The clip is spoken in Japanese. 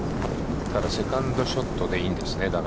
ただセカンドショットでいいんですね。